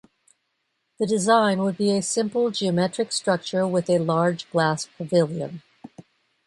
The design would be a simple geometric structure with a large glass pavilion.